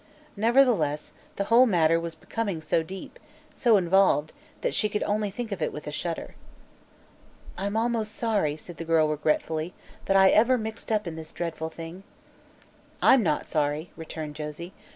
Nevertheless, the whole matter was becoming so deep, so involved that she could only think of it with a shudder. "I'm almost sorry," said the girl, regretfully, "that I ever mixed up in this dreadful thing." "I'm not sorry," returned Josie.